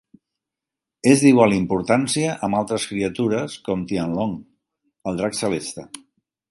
És d'igual importància amb altres criatures com Tianlong, el drac celeste.